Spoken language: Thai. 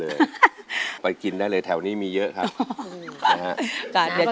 มากินไปกินมาได้เลยแถวนี้มีเยอะครับ